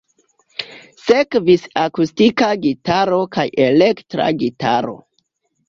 Sekvis akustika gitaro kaj elektra gitaro.